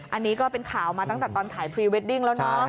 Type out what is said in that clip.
อันนี้ก็เป็นข่าวมาตั้งแต่ตอนถ่ายพรีเวดดิ้งแล้วเนาะ